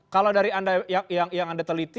kalau dari anda yang anda teliti